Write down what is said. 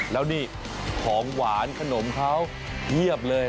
แล้วนี่ของหวานขนมเขาเพียบเลย